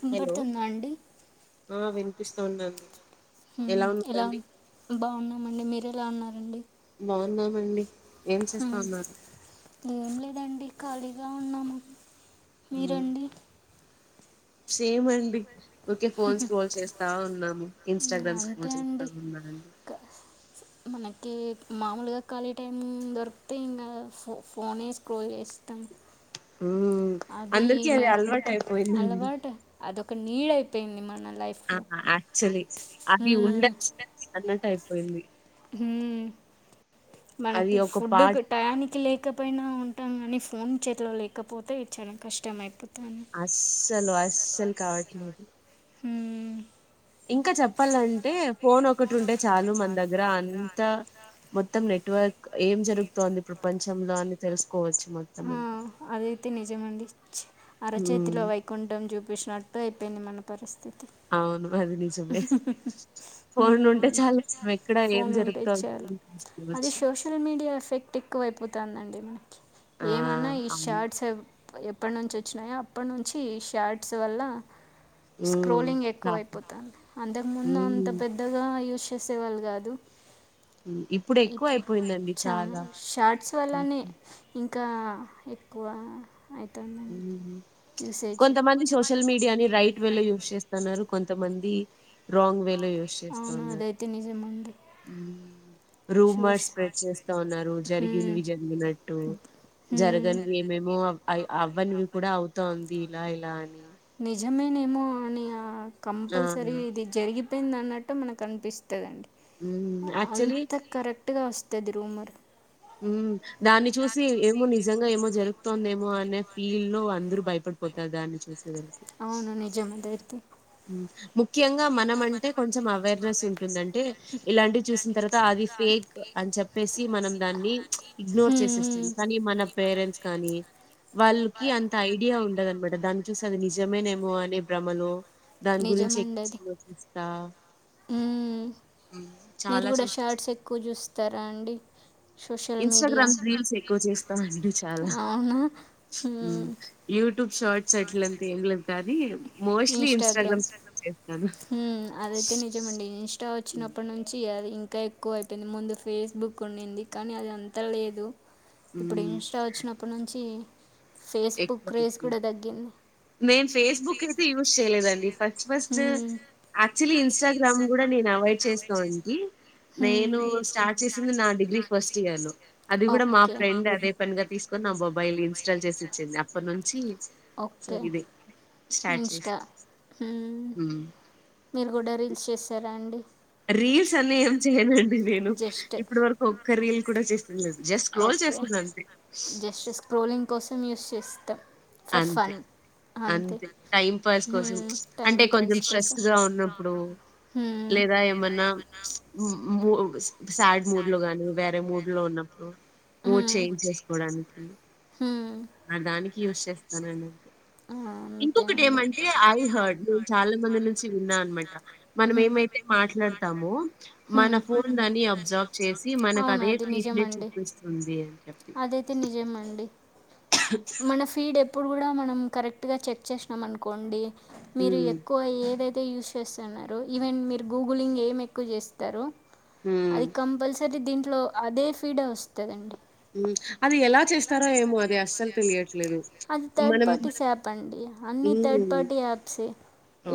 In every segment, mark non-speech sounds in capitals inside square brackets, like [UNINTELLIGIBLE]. విపడుతుందా అండి పిస్తోందండి హ్మ్ ఇలా బావున్నామండి మీరెలా ఉన్నారండి బావున్నామండి హ్మ్ ఎం లేదండి ఖాళీగా ఉన్నాము మీరండి సేమ్ అండి ఓకే ఫోన్స్ స్క్రోల్ చేస్తా ఉన్నాము మ్మ్, ఇంస్టాగ్రామ్ స్క్రోల్ అంతే చేస్తా అండి ఉన్నానండి క- మనకి మామూలుగా ఖాళీ టైం దొరికితే ఇంగ ఫో ఫోనే స్క్రోల్ చేస్ స్తాం ఉమ్ అది అందరికి అది అలవాటు అయిపోయిందండి అలవాటు అదొక నీడ్ అయిపోయింది మన ఆ లైఫ్లో యాక్చాలీ అది మ్మ్. ఉండచ్చు అన్నట్టు అయిపోయింది మ్ అది మనకి ఒక ఫుడ్ కు పార్ట్ టయానికి లే కపోయినా ఉంటాం కానీ ఫోన్ చెతిలో లేకపోతే చానా కష్టం అయిపో అస్సలు అస్సలు కావట్లేదు హు మ్ ఇంకా చెప్పాలంటే ఫోన్ ఒకటి ఉంటే చాలు మన దగ్గర అంత మొత్తం నెట్వర్క్ ఏం జరుగుతోంది ప్రపంచంలో అని తెలుసుకోవ ఆ అదైతే నిజమండి హ్మ్ అరచేతిలో వైకుంఠం చూపిసినట్ ట్టు అయిపోయింది మన పరిస్థితి అవును అది నిజమే ఫోన్ మ్మ్. ఉంటే చాలు మనం ఎక్కడ ఏం ఫోన్ ఉంటే జరుగుతుంది చాలు అది సోషల్ మీడియా ఎఫెక్ట్ ఎక్కువైపోతుందండి మనకి ఆ! ఏమన్నా ఈ అవును. షార్ట్స్ ఎప్పటి నుంచి వచ్చినాయో అప్పటి నుంచి షార్ట్స్ వల్ల హ్మ్. స్క్రోలింగ్ ఎక్కువ చాలా అయిపోతుంది అంతకు ముందు అంత హ్మ్. పెద్దగా యూస్ చేసేవాళ్ళు కాదు హ్మ్. ఇప్పుడు ఎక్కువయిపోయిందండి చాన చాలా. షార్ట్స్ హ్మ్. వాళ్ళనే ఇంకా ఎక్కువ ఉ అవుతుందండి యూసేజ్ కొంతమంది సోషల్ మీడియాని రైట్ వే లో యూస్్ చేస్తున్నారు కొంతమంది రాంగ్ వే లో యూస్ చేస్తా అవును ఉన్నారు అదైతే నిజమండి చూస్ రూమర్స్ స్ప్రెడ్ చేస్తా ఉన్నారు హ్మ్. జరగనివి జరిగినట్టు హ్మ్. జరగనివి ఏమేమో అవ్వనివి కూడా అవుతంది ఇలా ఇలా అని నిజమేనేమో అని ఆ! కంపల్సరీ ఇది జరిగిపోయింది అన్నట్టు మనకు అనిపిస్తుందండి మ్ అక్చులీ అంత కరెక్ట్గా వస్తది రూమర్ మ్ దాన్ని చూసి ఏమో నిజంగా ఏమో జరుగుతోందేమో అనే ఫీల్డ్ లో అందరూ భయపడిపోతారు దాని చూ అవును నిజం ఇదైతే ముఖ్యంగా మనం అంటే కొంచెం అవేర్నెస్ ఉంటుంది అంటే ఇలాంటివి చూసిన తర్వాత అది ఫేక్ అని చెప్పేసి మనం దాన్ని ఇగ్నోర్ హ్మ్, చేసేస్తాం హ్మ్. కానీ మన పేరెంట్స్ కానీ వాళ్ళకి అంత ఐడియా ఉండదనమాట దాన్ని చూసి అది నిజమేనేమో అనే భ్రమలో దాని గురించి ఎక్కువ్ ఆలోచిస్తా మ్ హ్మ్. మీరు చాలా కూడా చే షర్ట్స్ ఎక్కువ చూస్తారా అండి సోషల్ మీడియా ఇన్‌స్టాగ్రామ్ రీల్స్ ఎక్కువ చేస్తా అండి చాలా. అవునా హ్మ్. యూట్యూబ్ షార్ట్స్ అట్లంవి ఏం లేదు కానీ మోస్ట్లీ ఇన్స్టాగ్రామ్ చేస్తాను మ్ అదైతే నిజమండి ఇంస్టా వచ్చినప్పటి నుంచి అది ఇంకా ఎక్కువ అయిపోయింది ముందు ఫేస్బుక్ ఉండింది కానీ అది అంతా లేదు ఇప్పుడు మ్మ్ ఇంస్టా వచ్చినప్పటి నుంచి ఫేస్బుక్ ఎక్కువ క్రేజ్ కూడా తగ్గింది నేను ఫేస్బుక్ అయితే యూజ్ చేయలేదండి ఫస్ట్ ఫస్ట్ యాక్చువల్లీ ఇన్స్టాగ్రామ్ కూడా నేను అవాయిడ్ చేస్తానుండి నేను స్టార్ట్ చేసింది నా డిగ్రీ ఫస్ట్ ఇయర్ లో అది కూడా మా ఫ్రెండ్ అదే పనిగా తీసుకొ నా మొబైల్ ఇన్స్టాల్ చేసింది అప్పటి నుంచి సో ఓకే ఇది స్టార్ట్ చేస మ్ మీరు కూడా రీల్స్ చేస్తారా అండి రీల్స్ అని ఏం చేయనండి నేను జస్ట్ ఇప్పుడు వరకు ఒక్క ఇంతవరకు రీల్ కూడా చేసింది లేదు జస్ట్ స్క్రోల్ చేస్ జస్ట్ స్క్రోలింగ్ కోసం యూస్ చేస్తా ఫర్ అంతే. ఫన్ అంతే టైం పాస్ కోసం అంటే కొంచెం స్ట్రెస్ గా ఉన్నప్పుడు హ్మ్ లేదా ఏమన్నా మూ సాాడ్ మూడ్ లో గానీ వేరే మూడ్ లో ఉన్నం హ్మ్ మూడ్ చేం్ చేసుకోవడానికి హ్మ్ ఆ దానికి యూజ్ చేస్తానండి ఆ అంతే అండి ఇంకొకటేమంటే ఐ హర్డ్ నేను చాలా మంది నుంచి విన్నా అనమాట. మనం ఏమైతే మాట్లాడతామో, మన మ్ ఫోన్ దాన్ని అబ్జర్వ్ చేసి అవును మనకదే అది ఫీడ్‌నే నిజమండి చూపిస్తుంది అని చెప్పి. అదైతే నిజమండి మన ఫీడ్ ఎప్పుడు కూడా మనం కరెక్ట్గా చెక్ చేసినాం అనుకోండి మీరు హ్మ్. ఎక్కువ ఏదై తే యూజ్ చేస్తున్నారో ఈవెన్డ్ మీరు గూగులింగ్ ఏం ఎక్కువ చేస్తారో హ్మ్. అది కంపల్సరీ దీంట్లో అదే ఫీడ్ వస్తదండి అది ఎలా చేస్తారో ఏమో అది అస్సలు మనం తెలియట్లేదు యాప్ అండి అన్ని థర్డ్ హ్మ్. పార్టీ యాప్స్ ఏ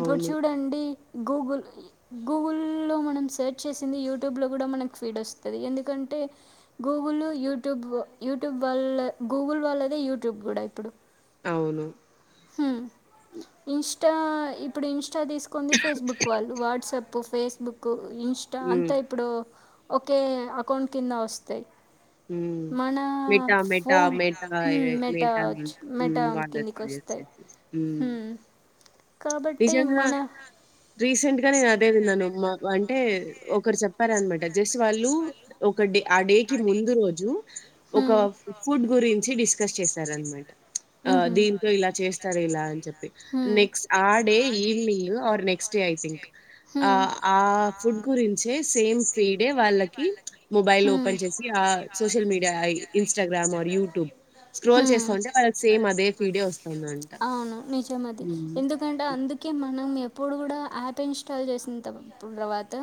ఇప్పుడు చూడండి గూగుల్ లో మనం సెర్చ్ చేసింది యూట్యూబ్ లో కుడా మనకు ఫీడ్ వస్తది ఎందు ఎందుకంటే గూగుల్ యూట్యూబ్ యూట్యూబ్ వాల్ల గూగుల్ వాళ్ళదే యూట్యూబ్ కూడా ఇప్పుడు ఎవలు ఇా ఇప్పుడు ఇంస్టా తీసుకుంది ఫేస్బుక్ వాళ్ళు వాట్సాప్ ఫేస్బుక్ ఇంస్టా హ్మ్. అంతా ఇప్పుడు ఒకే అకౌంట్ కింద వస్తాయి మ్ మన మీఠా మెటా, మేఠా ఫోన్ మేఠా హ్మ్. మెటా మెటా మేఠా ఇవన్నీ ఒచ్చు మెటా. మ్ మెటా వట్ కిందికొస్తాయి. మ్ హ్మ్. కాబట్టి నిజంగా మన రీసెంట్ గా నేను అదే విన్నాను మా అంటే ఒకరు చెప్పారనమాట జస్ట్ వాళ్ళు ఒక డే ఆ డే కు ముందు రోజు ఒక హ్మ్. ఫుడ్ గురించి డిస్ డిస్కస్ చేయరాన్నమాట ఆ హుహు. దీంతో ఇలా చేస్తారు ఇలా అని చెప్పి నేక్ ఆ డే ఈవినింగ్ ఆ నెక్స్ట్ డే ఐ థింక్ హ్మ్ ఆ ఫుడ్ గురించే సేమ్ ఫీడే వాళ్ ళ్ళకి మొబైల్ ఓపెన్ చేసి ఆ social media I Instagram YouTube scroll చేస్తా ఉంటే వాళ్ళకి సేమ్ అదే ఫీడే వస్తుంది అంట అవును నిజమది ఎందుకంటే అందుకే మనం ఎప్పుడు కూడా యాప్ ఇన్స్టాల్ చేసిన తర్వాత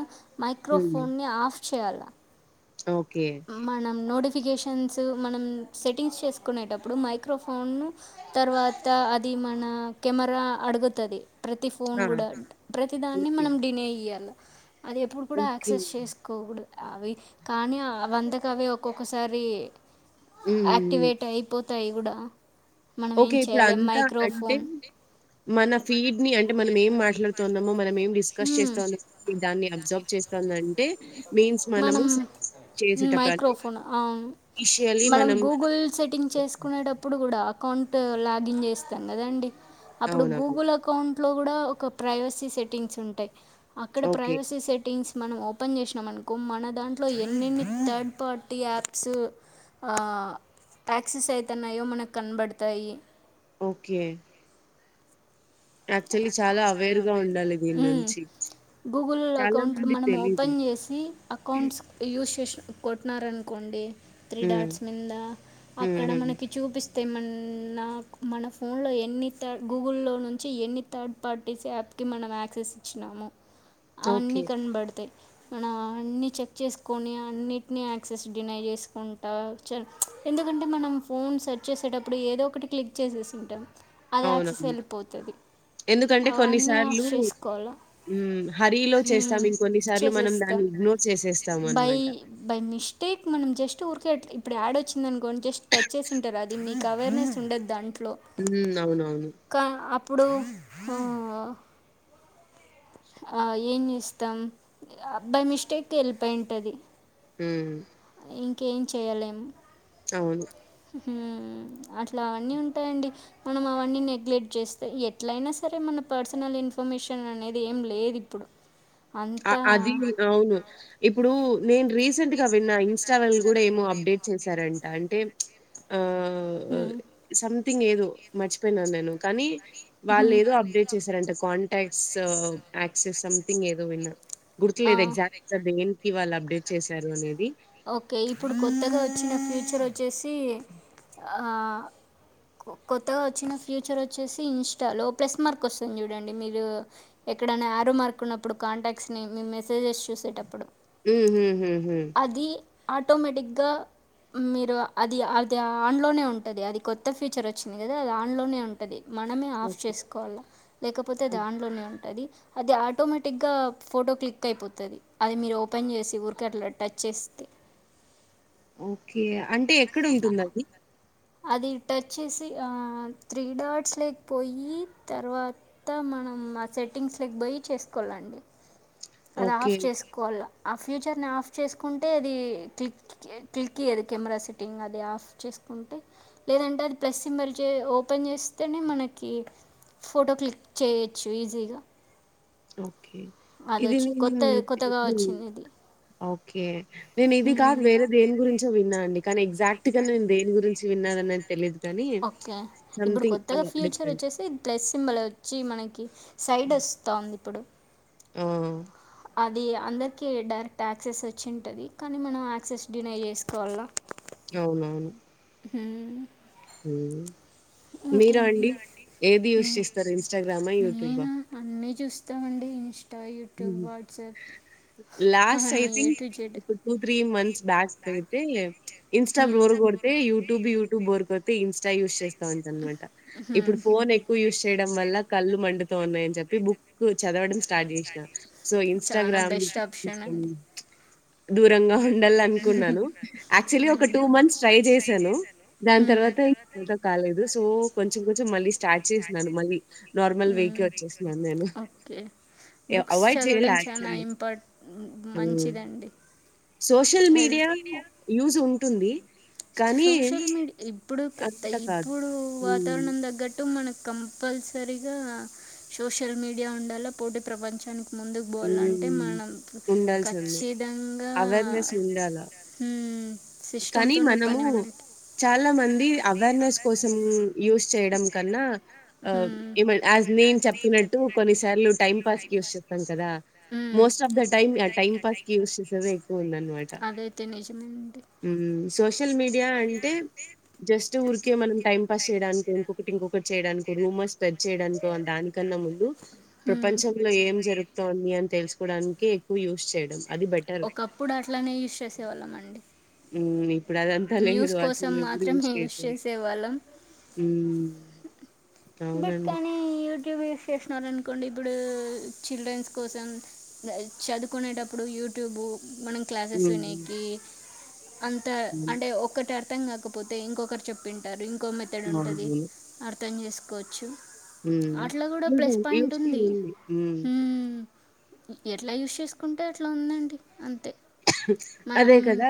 హ్మ్. మైక్రోఫోన్ని ఆఫ్ చేయాలా ఓకే. మనం నోటి ఫీకేషన్స్ మనం సెటింగ్స్ చేసుకునేటప్పుడే మైక్రో ఫోన్ తరువాత అది మన కెమెరా అడుగుతది ప్రతి ఫోన్ ఆ! కూడా ప్రతి దాన్ని ఓకే. మనం డినే ఇయ్యాల అది ఎప్పుడు కూడా ఓకే. యాక్సెస్ చేసుకోకూడదు అవి కానీ ఆ వంతక అవే ఒక్కొక్కసారి హ్మ్. హ్మ్. హ్మ్. యాక్టివేట్ అయిపోతాయి కూడా మనం ఏం ఓకే. చేయలేం ఇప్పుడంతా అంటే మైక్రోఫోన్ మన ఫీడ్ ని అంటే మనం ఏం మాట్లాడుతున్నామో మనం ఏం డిస్కస్ చేస్తా ఉన్నామో ప్రతి దాన్ని అబ్జర్బ్ చేతంది అంటే మీన్స్ మనము మనం చేసేటప్పుడు అంటే మైక్రోఫోన్ ఆ మనం గూగుల్ సెట్టింగ్ చేసుకునేటప్పుడు కూడా అకౌంట్ లాగిన్ చేస్తాం కదండి అప్పుడు అవునవును. గూగుల్ అకౌం ట్లో కుడా ఒక ప్రవేసి సెట్టిగ్స్ ఉంటాయి అక్క ఓకే. ప్రయివేసి సెటింగ్స్ మనం ఓ ఓపెన్ చేసినాం అనుకో మన దాంట్లో ఎన్నిన్ని థర్డ్ పార్టీ యాప్స్ ఆ యాక్సెస్ అయితన్నాయో మనకు కనబడతాయి ఓకే యాక్చువల్లీ చాలా అవేర్ గా ఉండాలి దీన్ని నుంచి గూగుల్లో చాలా అకౌంట్లు మందికి మనం తెలీదు. ఓపెన్ చేసి అకౌంట్స్ యూస్ చేసినాం కొట్టినారనుకోండి త్రీ హ్మ్. డాట్స్ మింద హ్మ్. అక్కడ హ్మ్. మనకి చూపిస్ తేమన్న మన ఫోన్లో ఎన్ని త గూగుల్లో నుంచి చి ఎన్ని థర్డ్ పార్టీస్ యాప్కి మనం యాక్సెస్ ఇచ్చినాము అన్నీ ఓకే. కనబడతయ్ మనం అన్ని చెక్ చేసుకొని అన్నిటిని యాక్సెస్ డినై చేసుకుంటా ఎందుకంటే మనం ఫోన్ సెర్చ్ చేసేటప్పుడు ఏదో ఒకటి క్లిక్ చేసేసి ఉంటాం అది యాక్సెస్ అవునవును. వెళ్ళిపో ఎందుకంటే కొన్ని అవన్నీ ఆఫ్ సార్లు చేసుకోవాల హ్మ్. హరీలో చేస్తాం. ఇంకొన్ని సార్లు మనం చేసేస్తా దాన్ని ఇగ్నోర్ బై చేసేస్తామనమాట. ఇష్ స్టేక్ మనం జస్ట్ ఊరికె ఇప్పుడు యాడ్ వచ్చిందనుకోడి జస్ట్ టచ్ చేసి ఉంటారు అది మీకు అవేరనెస్ ఉండదు అంటే హ్మ్. అవునవును. కా అప్పుడు ఆ ఏం చేస్తాం బై మిస్టేక్ వెళ్ళిపోయింటది హ ఇంకేం చేయలేము అవును ఊహు అట్లా అవన్నీ ఉంటాయండి మనం అవన్నీ నెగ్లెక్ట్ చేస్తే ఎట్లయినా సరే మన పర్సనల్ ఇన్ ఇన్ఫర్మేషన్ అనేది ఏం లేదు ఇప్పుడు ఆ అది అవును ఇప్పుడు నేన్ రీసెంట్గా విన్న ఇన్స్టా వాళ్ళు కూడా ఏమో అప్డేట్ చేశారంట అంటే ఆ ఆ ఆ హ్మ్. సంథింగ్ ఏదో మర్చిపోయినాను నేను కానీ వాళ్ళు హ్మ్. ఏదో అప్డేట్ చేసారంట కాంటాక్ట్స్ యాక్సెస్ సంథింగ్ ఏదో విన్న గుర్తులేదు ఎక్స్టేగా దేనికి గా వాళ్ళు అప్డేట్ చేశారు అనేది ఓకే ఇప్పుడు కొత్తగా వచ్చిన ఫ్యూచర్ వచ్చేసి ఆ కొత్తగా వచ్చిన ఫ్యూచర్ వచ్చేసి ఇన్స్టాలో ప్లస్ మార్క్ వస్తుంది చూడండి మీరు ఎక్కడన్నా యారో మార్కున్నప్పుడు కాంటాక్ట్స్ మీ మెసేజెస్ చూసేటప్పుడు ఉహు హు హు అది ఆటోమేటిక్గా మీరు అది అది ఆన్ లోనే ఉంటది అది కొత్త ఫ్యూచర్ వచ్చింది కదా అది ఆన్ లోనే ఉంటది మనమే ఆఫ్ ఓకే. చేసుకోవల్ల లేకపోతే అది హ్మ్. ఆన్ లోనే ఉంటది అది ఆటోమేటిక్ గా ఫోటో క్లిక్ అయిపోతది అది మీరు ఓపెన్ చేసి ఊరికే అట్ల టచ్ చేస్తే ఓకే అంటే ఎక్కడ ఉంటుంది అది అది టచ్ చేసి ఆ త్రీ డాట్స్ లేకపోయి తర్వాత మనం మా సెట్టింగ్స్ లోకి పోయి చేసుకోవాలండి అది ఓకే. ఆఫ్ చేసుకోవాలి ఆ ఫ్యూచర్ ని ఆఫ్ చేసుకుంటే అది క్లిక్ క్లిక్ ఇయదు కెమెరా సెట్ టింగ్ అది ఆఫ్ చేసుకుంటే లేదంటే అది ప్లస్ సి మరి చే ఓపెన్ చేస్తేనే మనకి ఫోటో క్లిక్ చేయొచ్చు ఈజీగా ఓకే అది ఇది వచ్చి నేను కొత్త కొత్తగా ఎప్పుడు వచ్చింది ఇది ఓకే నేను ఇది కాదు వేరే దేని గురించో విన్నా అండి కానీ ఎగ్జాక్ట్ గా నేను దేని గురించి విన్నానా ది తెలీదు కానీ ఓకే ఇప్పుడు సంథింగ్ కొత్తగా ఆహ్, ఫ్యూచర్ డిఫరెంట్. వచ్చేసి ప్లస్ సింబల్ వచ్చి మనకి సైడ్ వస్తాంది ఇప్పుడు మ్ అది అందరికీ డైరెక్ట్ యాక్సెస్ వచ్చి ఉంటది కానీ మనం యాక్సెస్ డినై చేసుకోవాల అవునవును హుమ్ మ్ మీరు అండి ఏది యూస్ చేస్తారు ఇన్స్టాగ్రామా యూట్యూబ నేను అన్నీ చూస్తామండి ఇంస్టా యూట్యూబ్ హుహు. వాట్సాప్ లాస్ట్ అన్నీ A I think to Z two three months back అయితే ఇన్స్టా హ్మ్. బోర్ కొడితే యూట్యూబ్ యుట్యూబ్ బోర్ కొడితే ఇన్స్ న్స్టా యూస్ చేస్తంటి అనమాట ఇప్పుడు హ్మ్. ఫోన్ ఎక్కువ యూస్ చేయడం వల్ల కళ్ళు మండుతన్నాయ్ అని చెప్పి బుక్ క్కు చదవడం స్టార్ట్ చేసిన సో చాలా బెస్ట్ ఇన్స్టాగ్రామ్ ఆప్షన్ కొంచెం అండి దూరంగా ఉండాల అనుకున్నాను యాక్చువలీ ఒక టూ మంత్స్ ట్రై చేశాను దాని తర్వా తర్వాత ఇంకా కాలేదు సో కొంచెం కొంచెం మళ్ళీ స్టార్ట్ చేసినను మళ్ళీ నార్మల్ వెకి వచ్చేసినను నేను ఓకే ఎ బుక్స్ అవాయిడ్ చేయలే చదవడం చాలా యాక్చువల్లీ. ఇంపా హ్మ్. మంచిదండి సోషల్ మీడియా యూజ్ ఉంటుంది కానీ సోషల్ మీడియా ఇప్పుడు అంత కాదు. ఇప్పుడు హ్మ్. వాతావరణం తగ్గట్టు మన కంపల్సరిగా సోషల్ మీడియా ఉండాల పోటీ ప్రపంచానికి ముందుకు బోలంటే హ్మ్. మనం ఉండాల్సిందే. ఖచ్చితంగా అవేర్‌నెస్ ఉండాల. మ్ సిస్టమ్ కానీ తోనే మనము చాలా మంది అవేర్నెస్ కోసం యూస్ చేయడం కన్నా హ్మ్. ఏమన్ యాజ్ నేన్ చెప్తున్నట్టు కొన్నిసార్లు టైం పాస్కి స్ చేస్తాం కదా మ్ మోస్ట్ ఆఫ్ ద టైమ్ ఆ టైమ్ పాస్‌కి యూజ్ చేసేదే అదయితే నిజమండి మ్ సోషల్ మీడియా అంటే జస్ట్ ఊరికే మనం టైం పాస్ చేయ డానికో ఇంకొకటి ఇంకొకటి చే రూమర్స్ స్ప్రెడ్ చేయడానికికో దానికన్నా ముందు హ్మ్. ప్రపంచంలో ఏం జరుగుతుంది అని తెలుసు డానికే ఎక్కువ యూజ్ చేయ ఒకప్పుడు అట్లనే యూస్ చేసేవాళ్ళం అండి మ్ ఇప్పుడు అదంతా లేదు మాత్రమే యూజ్ [UNINTELLIGIBLE] చేసేవాళ్ళం మ్ అవునండి ్యూస్ చేస్తున్నారనుకోండి ఇప్పుడు చిల్డ్రన్స్ కోసం చదువుకునేటప్పుడు యు ూట్యూబ్ మనం క్లాసెస్ హ్మ్. వినికి అంత హ్మ్. అంటే ఒకట్ అర్థం కాకపోతే ఇంకొకరు చెప్పింటారు ఇంకో మెథడ్ ఉంటది అవునవును. అర్థం చేసుకోవచ్చు హ్మ్. అట్లా కూడా ప్లస్ నిజం. పాయింట్ యూజ్‌ఫుల్ ఉంది హ్మ్. మ్ ఎట్లా యూస్ చేసుకుంటే అట్లా ఉందండి అంతే మనం అదే కదా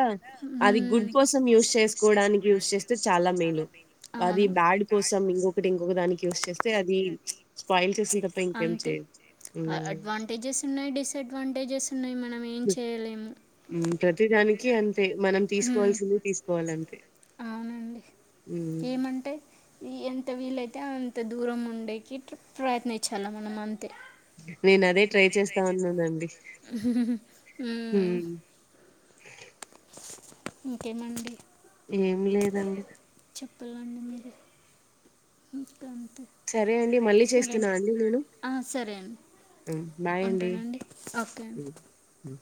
అది గుడ్ మ్మ్ పస్ యూస్ చేసుకోడానికి యూజ్ చేస్తే చాలా మేలు అది అవును బ్యాడ్ కోసం ఇంకొకటి ఇంకొక దానికి చేస్తే అది స్పాయిల్ చేసిన తప్ప ఇంకేం అంతే చేయ అడ్వాంటేజెస్ ఉన్నాయి డిసడ్వాంటేజెస్ ఉన్నాయి మ్ ప్రతిదానికి అంతే మనం తీసుకోవాల్సిందిే తీసుకోవాలంతే అవునండి హ్మ్. ఏమంటే ఎం ఎంత వీలైతే అంత దూరం ఉండేకి ప్రయత్నించలే మనం అంతే నేను అదే ట్రై చేస్తా ఉన్నానండి మ్ హ్మ్. ఇంకేమండి ఎం లేదండి చెప్పాలండి మీరే అంతే సరే అండి మళ్ళీ చేస్తున్నా అండి నేను ఆ, సరే అండి మ్ బాయ్ అండి ఉంటానండి ఓకే అండి మ్ మ్